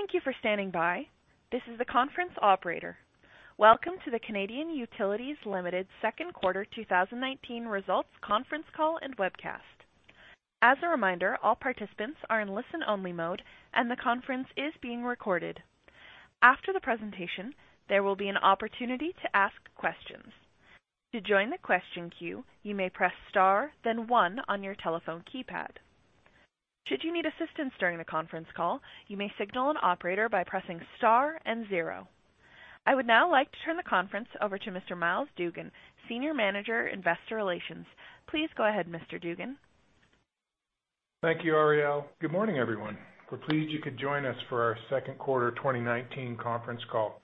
Thank you for standing by. This is the conference operator. Welcome to the Canadian Utilities Limited second quarter 2019 results conference call and webcast. As a reminder, all participants are in listen-only mode and the conference is being recorded. After the presentation, there will be an opportunity to ask questions. To join the question queue, you may press star then one on your telephone keypad. Should you need assistance during the conference call, you may signal an operator by pressing star and zero. I would now like to turn the conference over to Mr. Myles Dougan, Senior Manager, Investor Relations. Please go ahead, Mr. Dougan. Thank you, [Ariel]. Good morning, everyone. We're pleased you could join us for our second quarter 2019 conference call.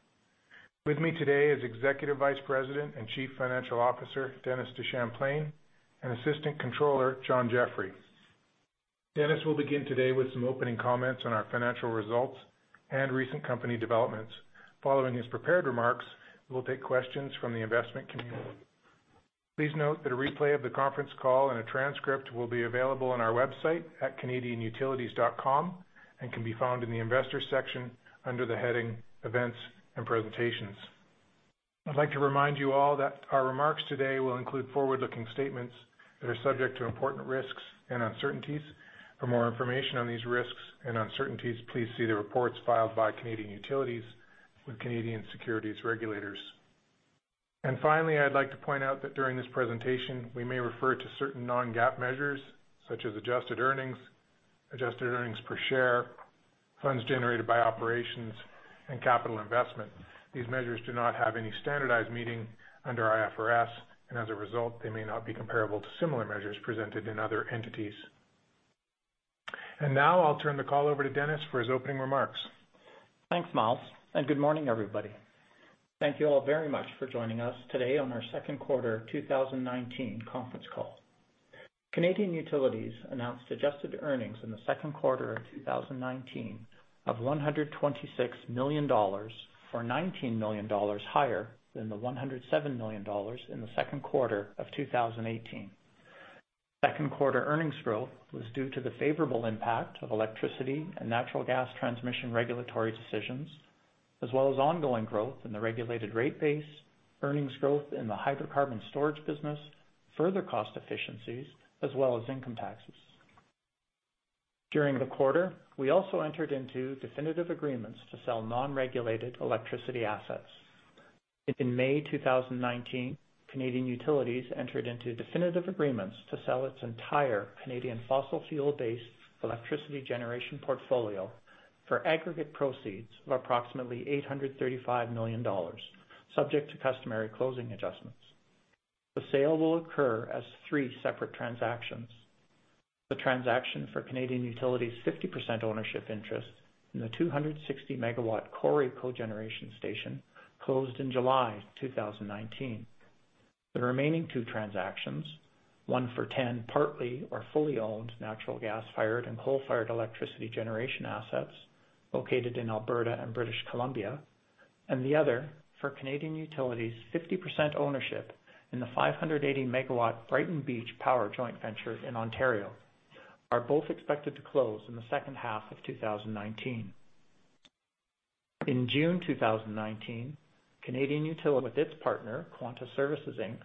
With me today is Executive Vice President and Chief Financial Officer, Dennis DeChamplain, and Assistant Controller, John Jeffrey. Dennis will begin today with some opening comments on our financial results and recent company developments. Following his prepared remarks, we'll take questions from the investment community. Please note that a replay of the conference call and a transcript will be available on our website at canadianutilities.com and can be found in the Investors section under the heading Events and Presentations. I'd like to remind you all that our remarks today will include forward-looking statements that are subject to important risks and uncertainties. For more information on these risks and uncertainties, please see the reports filed by Canadian Utilities with Canadian securities regulators. Finally, I'd like to point out that during this presentation, we may refer to certain non-GAAP measures such as adjusted earnings, adjusted earnings per share, funds generated by operations, and capital investment. These measures do not have any standardized meaning under IFRS, and as a result, they may not be comparable to similar measures presented in other entities. Now I'll turn the call over to Dennis for his opening remarks. Thanks, Myles. Good morning, everybody. Thank you all very much for joining us today on our second quarter 2019 conference call. Canadian Utilities announced adjusted earnings in the second quarter of 2019 of 126 million dollars, or 19 million dollars higher than the 107 million dollars in the second quarter of 2018. Second quarter earnings growth was due to the favorable impact of electricity and natural gas transmission regulatory decisions, as well as ongoing growth in the regulated rate base, earnings growth in the hydrocarbon storage business, further cost efficiencies, as well as income taxes. During the quarter, we also entered into definitive agreements to sell non-regulated electricity assets. In May 2019, Canadian Utilities entered into definitive agreements to sell its entire Canadian fossil fuel-based electricity generation portfolio for aggregate proceeds of approximately 835 million dollars, subject to customary closing adjustments. The sale will occur as three separate transactions. The transaction for Canadian Utilities' 50% ownership interest in the 260-megawatt Cory Cogeneration station closed in July 2019. The remaining two transactions, one for 10 partly or fully owned natural gas-fired and coal-fired electricity generation assets located in Alberta and British Columbia, and the other for Canadian Utilities' 50% ownership in the 580-megawatt Brighton Beach Power joint venture in Ontario, are both expected to close in the second half of 2019. In June 2019, Canadian Utilities, with its partner, Quanta Services, Inc.,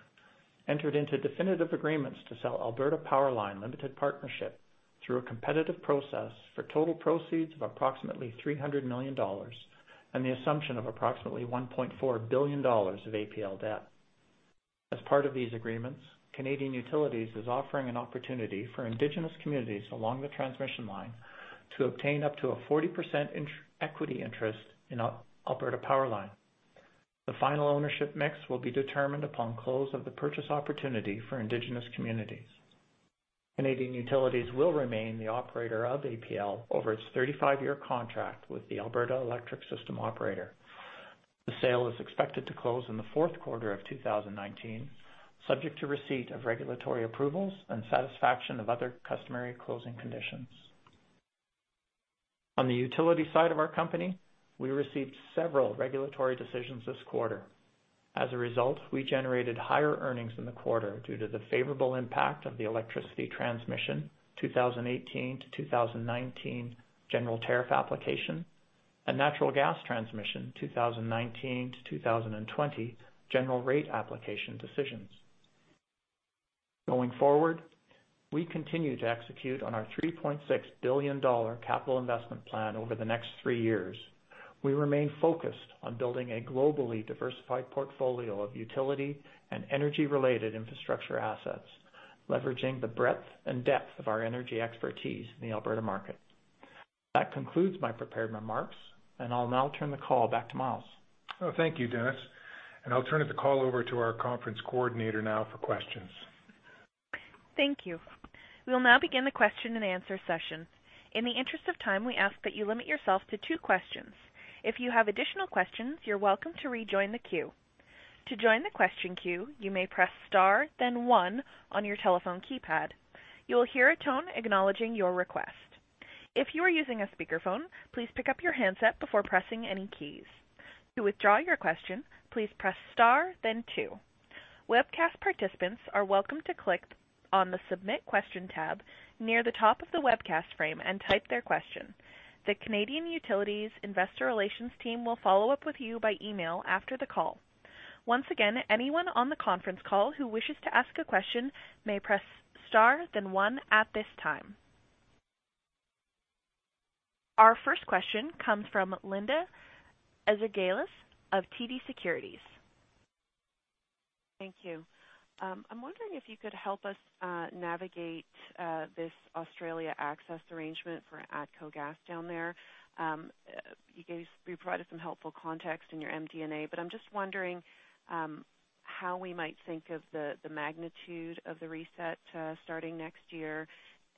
entered into definitive agreements to sell Alberta PowerLine Limited Partnership through a competitive process for total proceeds of approximately 300 million dollars and the assumption of approximately 1.4 billion dollars of APL debt. As part of these agreements, Canadian Utilities is offering an opportunity for Indigenous communities along the transmission line to obtain up to a 40% equity interest in Alberta PowerLine. The final ownership mix will be determined upon close of the purchase opportunity for Indigenous communities. Canadian Utilities will remain the operator of APL over its 35-year contract with the Alberta Electric System Operator. The sale is expected to close in the fourth quarter of 2019, subject to receipt of regulatory approvals and satisfaction of other customary closing conditions. On the utility side of our company, we received several regulatory decisions this quarter. As a result, we generated higher earnings in the quarter due to the favorable impact of the electricity transmission 2018 to 2019 general tariff application and natural gas transmission 2019 to 2020 general rate application decisions. Going forward, we continue to execute on our 3.6 billion dollar capital investment plan over the next three years. We remain focused on building a globally diversified portfolio of utility and energy-related infrastructure assets, leveraging the breadth and depth of our energy expertise in the Alberta market. That concludes my prepared remarks, and I'll now turn the call back to Myles. Thank you, Dennis. I'll turn the call over to our conference coordinator now for questions. Thank you. We will now begin the question and answer session. In the interest of time, we ask that you limit yourself to two questions. If you have additional questions, you're welcome to rejoin the queue. To join the question queue, you may press star then one on your telephone keypad. You will hear a tone acknowledging your request. If you are using a speakerphone, please pick up your handset before pressing any keys. To withdraw your question, please press star then two. Webcast participants are welcome to click on the Submit Question tab near the top of the webcast frame and type their question. The Canadian Utilities investor relations team will follow up with you by email after the call. Once again, anyone on the conference call who wishes to ask a question may press star then one at this time. Our first question comes from Linda Ezergailis of TD Securities. Thank you. I'm wondering if you could help us navigate this Australia access arrangement for ATCO Gas down there. You provided some helpful context in your MD&A, I'm just wondering how we might think of the magnitude of the reset starting next year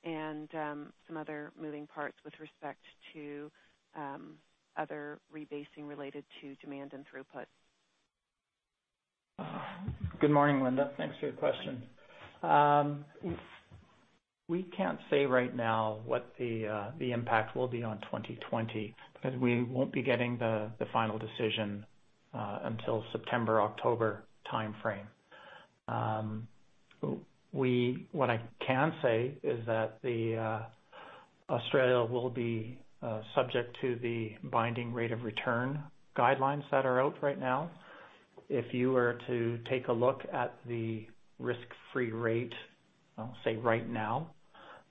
and some other moving parts with respect to other rebasing related to demand and throughput. Good morning, Linda. Thanks for your question. We can't say right now what the impact will be on 2020 because we won't be getting the final decision until September, October timeframe. What I can say is that Australia will be subject to the binding rate of return guidelines that are out right now. If you were to take a look at the risk-free rate, say, right now,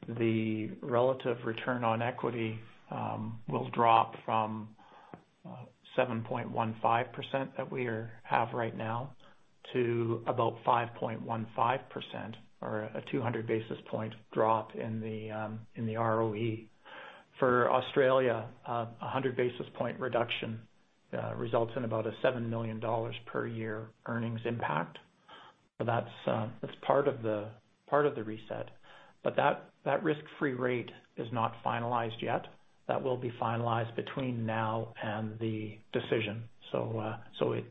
the relative return on equity will drop from 7.15% that we have right now to about 5.15%, or a 200-basis point drop in the ROE. For Australia, 100-basis point reduction results in about a 7 million dollars per year earnings impact. That's part of the reset, but that risk-free rate is not finalized yet. That will be finalized between now and the decision,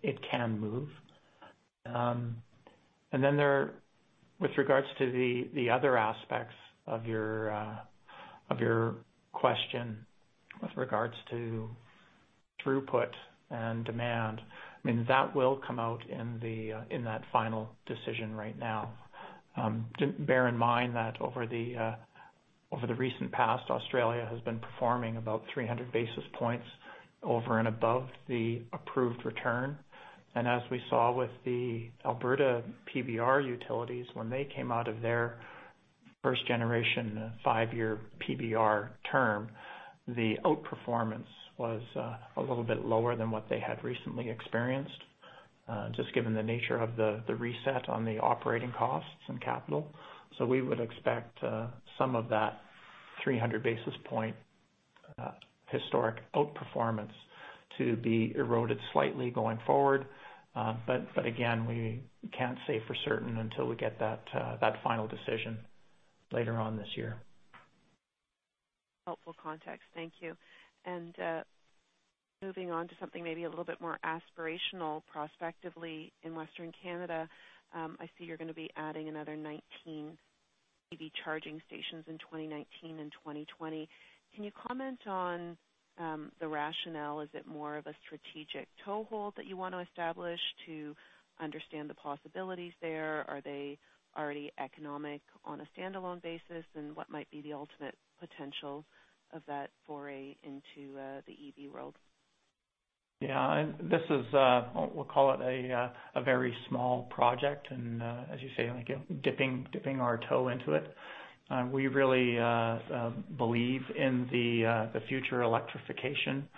it can move. With regards to the other aspects of your question with regards to throughput and demand, that will come out in that final decision right now. Bear in mind that over the recent past, Australia has been performing about 300 basis points over and above the approved return. As we saw with the Alberta PBR utilities, when they came out of their first-generation five-year PBR term, the outperformance was a little bit lower than what they had recently experienced, just given the nature of the reset on the operating costs and capital. We would expect some of that 300-basis point historic outperformance to be eroded slightly going forward. We can't say for certain until we get that final decision later on this year. Helpful context. Thank you. Moving on to something maybe a little bit more aspirational prospectively in Western Canada. I see you're going to be adding another 19 EV charging stations in 2019 and 2020. Can you comment on the rationale? Is it more of a strategic toehold that you want to establish to understand the possibilities there? Are they already economic on a standalone basis, and what might be the ultimate potential of that foray into the EV world? Yeah. This is, we'll call it a very small project and as you say, dipping our toe into it. We really believe in the future electrification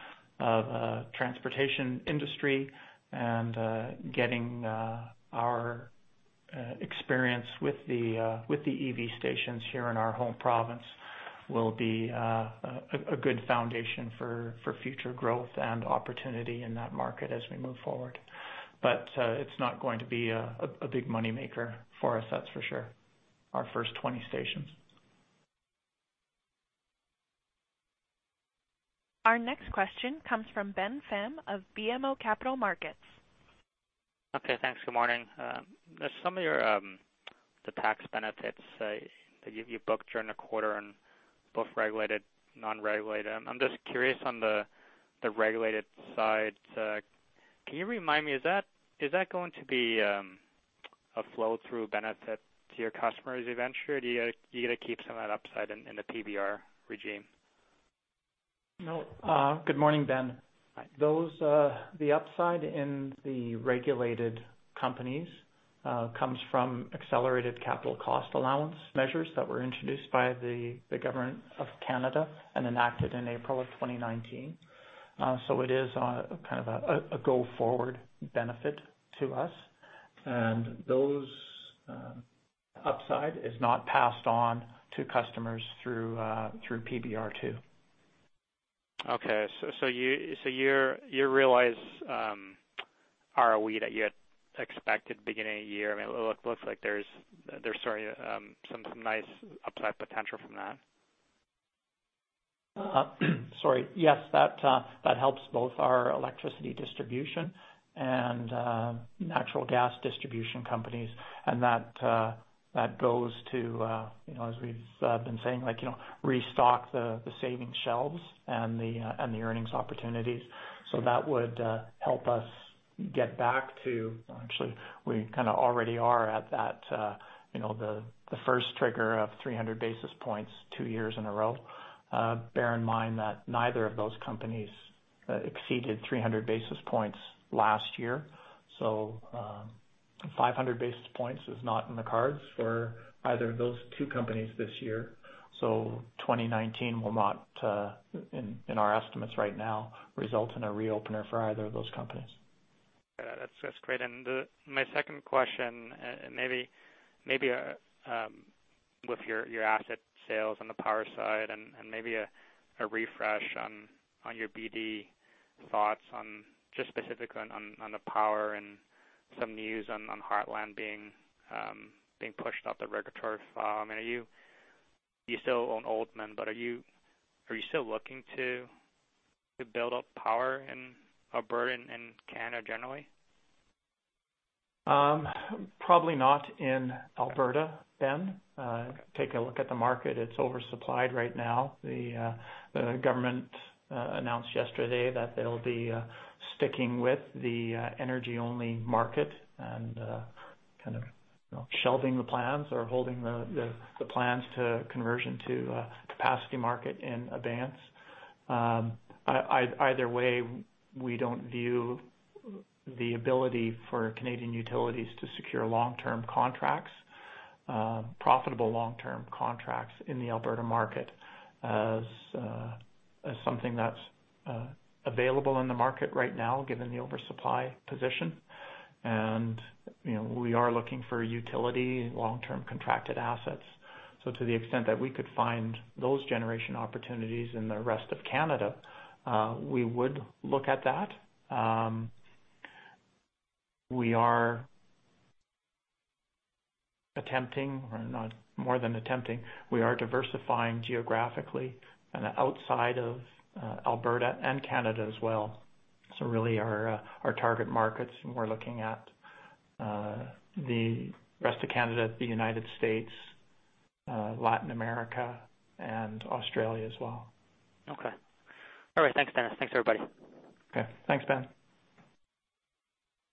of transportation industry and getting our experience with the EV stations here in our home province will be a good foundation for future growth and opportunity in that market as we move forward. It's not going to be a big money maker for us, that's for sure, our first 20 stations. Our next question comes from Ben Pham of BMO Capital Markets. Okay. Thanks. Good morning. Some of your tax benefits that you booked during the quarter in both regulated, non-regulated, I'm just curious on the regulated side. Can you remind me, is that going to be a flow-through benefit to your customers eventually, or do you get to keep some of that upside in the PBR regime? No. Good morning, Ben. Hi. The upside in the regulated companies comes from accelerated capital cost allowance measures that were introduced by the Government of Canada and enacted in April of 2019. It is kind of a go-forward benefit to us. Those upside is not passed on to customers through PBR2. Okay. You realize ROE that you had expected beginning of the year. It looks like there's some nice upside potential from that. Sorry. Yes. That helps both our electricity distribution and natural gas distribution companies. That goes to, as we've been saying, restock the saving shelves and the earnings opportunities. That would help us get back to, actually, we kind of already are at that, the first trigger of 300 basis points two years in a row. Bear in mind that neither of those companies exceeded 300 basis points last year. 500 basis points is not in the cards for either of those two companies this year. 2019 will not, in our estimates right now, result in a reopener for either of those companies. Yeah, that's great. My second question, and maybe with your asset sales on the power side and maybe a refresh on your BD thoughts on just specifically on the power and some news on Heartland being pushed out the regulatory file. You still own Oldman River, are you still looking to build up power in Alberta and Canada generally? Probably not in Alberta, Ben. Take a look at the market. It's oversupplied right now. The government announced yesterday that they'll be sticking with the energy-only market and kind of shelving the plans or holding the plans to conversion to a capacity market in advance. Either way, we don't view the ability for Canadian Utilities to secure long-term contracts, profitable long-term contracts in the Alberta market as something that's available in the market right now, given the oversupply position. We are looking for utility long-term contracted assets. To the extent that we could find those generation opportunities in the rest of Canada, we would look at that. We are attempting, or not more than attempting, we are diversifying geographically and outside of Alberta and Canada as well. Really our target markets, and we're looking at the rest of Canada, the United States, Latin America, and Australia as well. Okay. All right. Thanks, Dennis. Thanks, everybody. Okay. Thanks, Ben.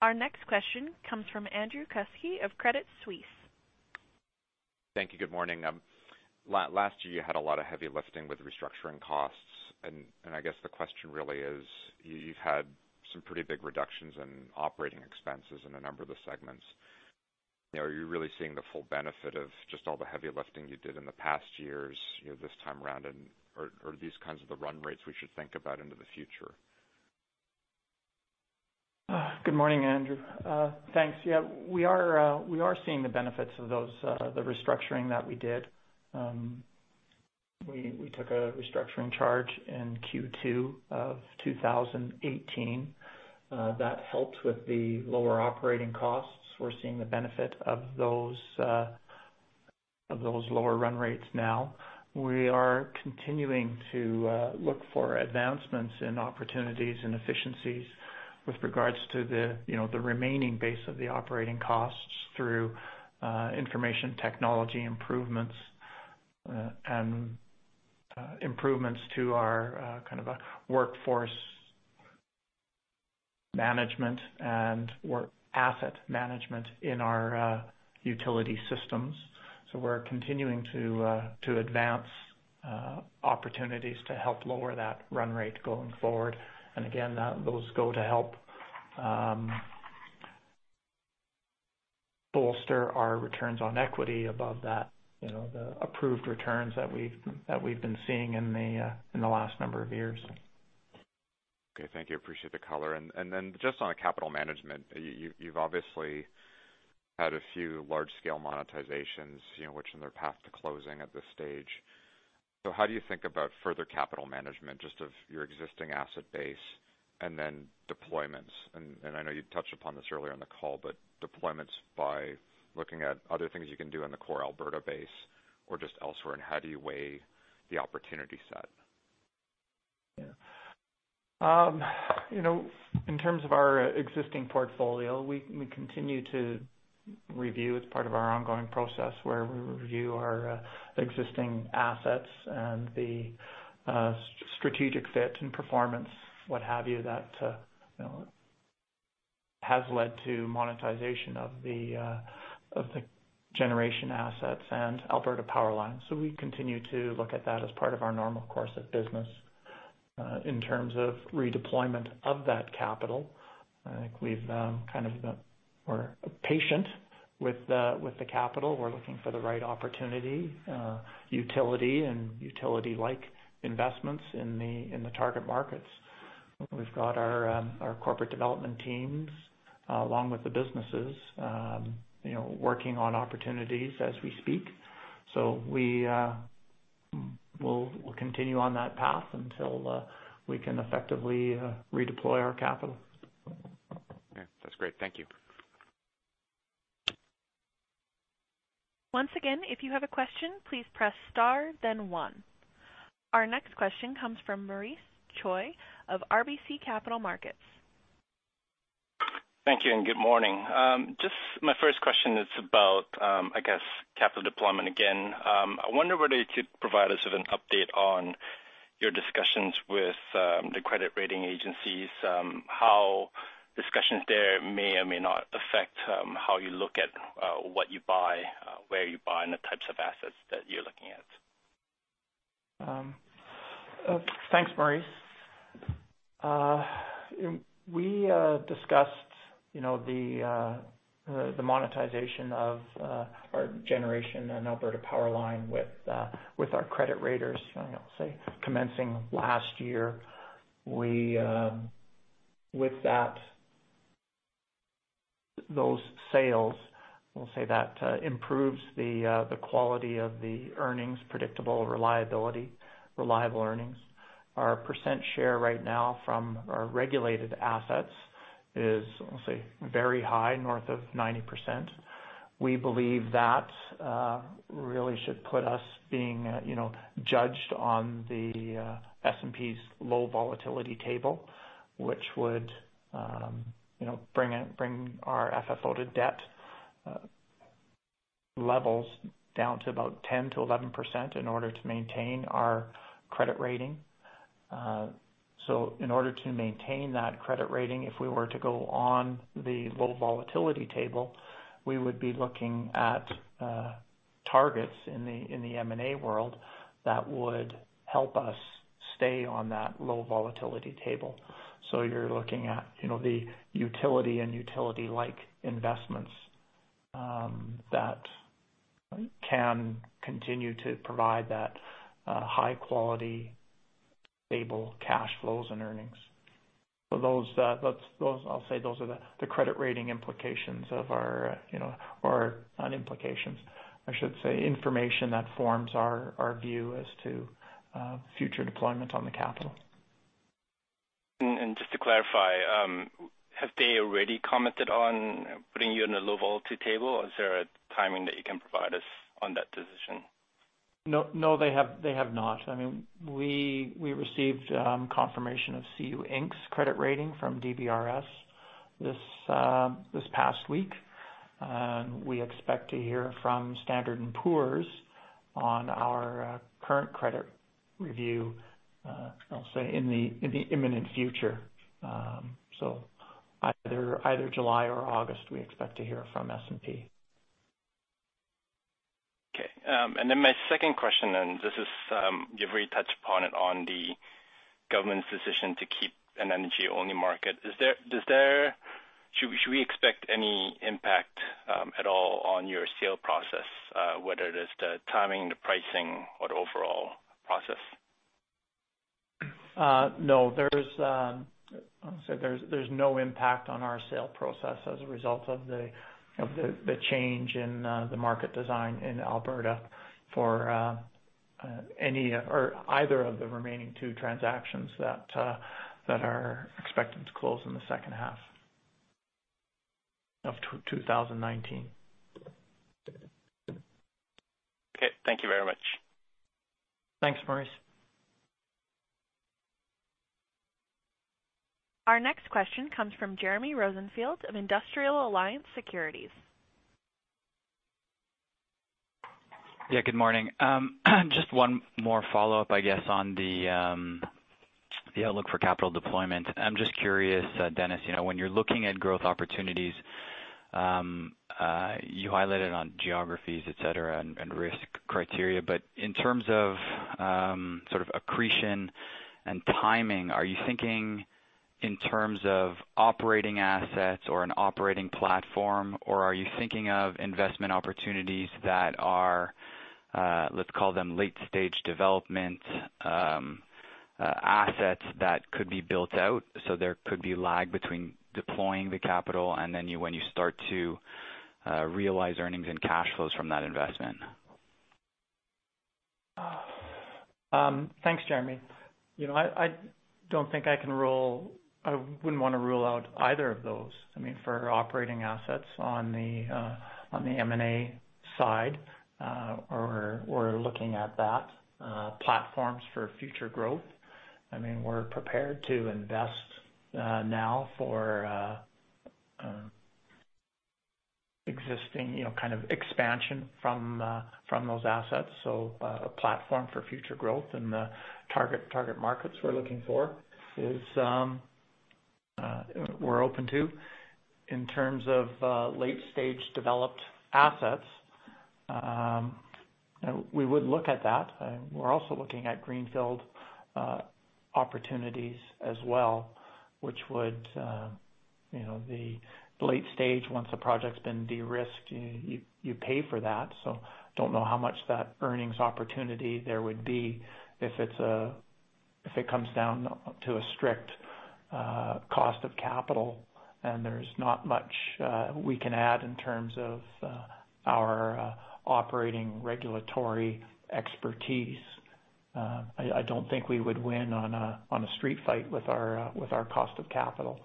Our next question comes from Andrew Kuske of Credit Suisse. Thank you. Good morning. Last year, you had a lot of heavy lifting with restructuring costs, and I guess the question really is, you've had some pretty big reductions in operating expenses in a number of the segments. Are you really seeing the full benefit of just all the heavy lifting you did in the past years this time around? Are these kinds of the run rates we should think about into the future? Good morning, Andrew. Thanks. Yeah, we are seeing the benefits of the restructuring that we did. We took a restructuring charge in Q2 of 2018. That helped with the lower operating costs. We're seeing the benefit of those lower run rates now. We are continuing to look for advancements in opportunities and efficiencies with regards to the remaining base of the operating costs through information technology improvements, and improvements to our kind of a workforce management and, or asset management in our utility systems. We're continuing to advance opportunities to help lower that run rate going forward. Again, those go to help bolster our returns on equity above the approved returns that we've been seeing in the last number of years. Okay. Thank you. Appreciate the color. Then just on capital management, you've obviously had a few large-scale monetizations, which in their path to closing at this stage. How do you think about further capital management, just of your existing asset base and then deployments? I know you touched upon this earlier in the call, but deployments by looking at other things you can do in the core Alberta base or just elsewhere, and how do you weigh the opportunity set? Yeah. In terms of our existing portfolio, we continue to review as part of our ongoing process where we review our existing assets and the strategic fit and performance, what have you, that has led to monetization of the generation assets and Alberta power lines. We continue to look at that as part of our normal course of business. In terms of redeployment of that capital, I think we've kind of been more patient with the capital. We're looking for the right opportunity, utility and utility-like investments in the target markets. We've got our corporate development teams along with the businesses working on opportunities as we speak. We'll continue on that path until we can effectively redeploy our capital. Okay. That's great. Thank you. Once again, if you have a question, please press star then one. Our next question comes from Maurice Choy of RBC Capital Markets. Thank you. Good morning. My first question is about capital deployment again. I wonder whether you could provide us with an update on your discussions with the credit rating agencies, how discussions there may or may not affect how you look at what you buy, where you buy, and the types of assets that you're looking at. Thanks, Maurice. We discussed the monetization of our generation in Alberta PowerLine with our credit raters, commencing last year. With those sales, that improves the quality of the earnings, predictable reliability, reliable earnings. Our percent share right now from our regulated assets is very high, north of 90%. We believe that really should put us being judged on the S&P's low volatility table, which would bring our FFO to debt levels down to about 10%-11% in order to maintain our credit rating. In order to maintain that credit rating, if we were to go on the low volatility table, we would be looking at targets in the M&A world that would help us stay on that low volatility table. You're looking at the utility and utility-like investments that can continue to provide that high-quality, stable cash flows and earnings. I'll say, those are the credit rating implications of our, not implications, I should say information that forms our view as to future deployment on the capital. Just to clarify, have they already commented on putting you in a low volatility table, or is there a timing that you can provide us on that decision? No, they have not. We received confirmation of CU Inc.'s credit rating from DBRS this past week. We expect to hear from Standard & Poor's on our current credit review, I'll say, in the imminent future. Either July or August, we expect to hear from S&P. Okay. My second question, you've already touched upon it on the government's decision to keep an energy-only market. Should we expect any impact at all on your sale process, whether it is the timing, the pricing, or the overall process? No. There's no impact on our sale process as a result of the change in the market design in Alberta for either of the remaining two transactions that are expected to close in the second half of 2019. Okay. Thank you very much. Thanks, Maurice. Our next question comes from Jeremy Rosenfield of Industrial Alliance Securities. Yeah, good morning. Just one more follow-up, I guess, on the outlook for capital deployment. I'm just curious, Dennis, when you are looking at growth opportunities, you highlighted on geographies, et cetera, and risk criteria, but in terms of accretion and timing, are you thinking in terms of operating assets or an operating platform, or are you thinking of investment opportunities that are, let's call them late-stage development assets that could be built out, so there could be lag between deploying the capital and then when you start to realize earnings and cash flows from that investment? Thanks, Jeremy. I wouldn't want to rule out either of those. For operating assets on the M&A side, we're looking at that. Platforms for future growth. We're prepared to invest now for existing kind of expansion from those assets. A platform for future growth and the target markets we're looking for, we're open to. In terms of late-stage developed assets, we would look at that. We're also looking at greenfield opportunities as well, the late stage, once a project's been de-risked, you pay for that. Don't know how much that earnings opportunity there would be if it comes down to a strict cost of capital and there's not much we can add in terms of our operating regulatory expertise. I don't think we would win on a street fight with our cost of capital.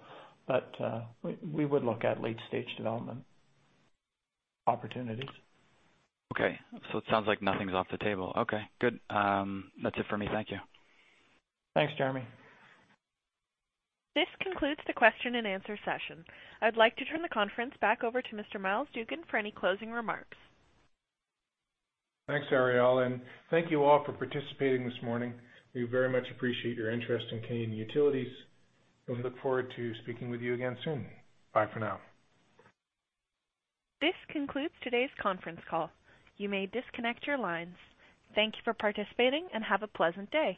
We would look at late-stage development opportunities. Okay. It sounds like nothing's off the table. Okay, good. That's it for me. Thank you. Thanks, Jeremy. This concludes the question and answer session. I'd like to turn the conference back over to Mr. Myles Dougan for any closing remarks. Thanks, [Ariel], and thank you all for participating this morning. We very much appreciate your interest in Canadian Utilities, and we look forward to speaking with you again soon. Bye for now. This concludes today's conference call. You may disconnect your lines. Thank you for participating, and have a pleasant day.